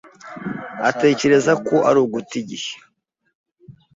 atekereza ko ari uguta igihe.